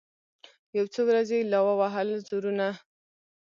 یو څو ورځي یې لا ووهل زورونه